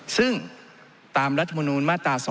ซึ่งตามรัฐมนูลมาตรา๒